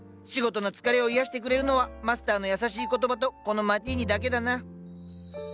仕事の疲れを癒やしてくれるのはマスターの優しい言葉とこのマティーニだけだな。